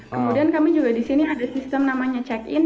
kemudian kami juga di sini ada sistem namanya check in